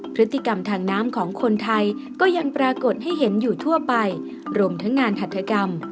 พฤติกรรมทางน้ำของคนไทยก็ยังปรากฏให้เห็นอยู่ทั่วไปรวมทั้งงานหัฐกรรม